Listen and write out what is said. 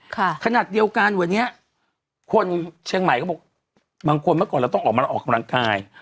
ขนาดเดียวกันวันนี้คนเชียงใหม่ก็บอกบางคนเมื่อก่อนเราต้องออกมาออกกำลังกาย